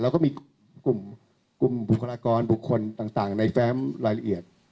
แล้วก็มีกลุ่มบุคลากรบุคคลต่างในแฟมรายละเอียด